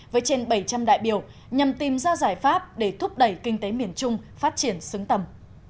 với trên bảy trăm linh đại biểu nhằm tìm ra giải pháp để thúc đẩy kinh tế miền trung phát triển xứng tầm